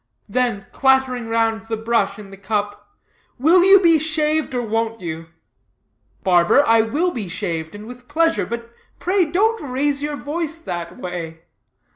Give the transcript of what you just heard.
Then clattering round the brush in the cup, "Will you be shaved, or won't you?" "Barber, I will be shaved, and with pleasure; but, pray, don't raise your voice that way.